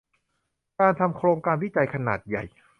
การทำโครงการวิจัยขนาดใหญ่